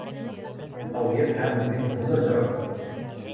أَوْ يَفْهَمُ مِنْهُ زَجْرًا